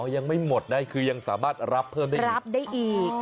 อ๋อยังไม่หมดนะคือยังสามารถรับเพิ่มได้อีก